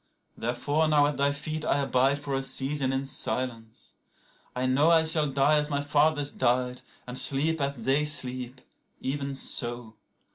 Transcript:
105Therefore now at thy feet I abide for a season in silence. I know106I shall die as my fathers died, and sleep as they sleep; even so.